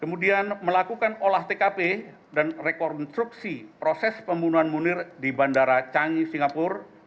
kemudian melakukan olah tkp dan rekonstruksi proses pembunuhan munir di bandara cangi singapura